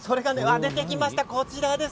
出てきました。